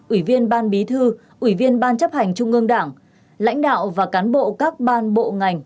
ủy viên ban bí thư ủy viên ban chấp hành trung ương đảng lãnh đạo và cán bộ các ban bộ ngành